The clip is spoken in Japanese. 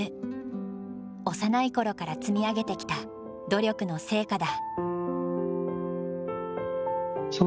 幼い頃から積み上げてきた努力の成果だ。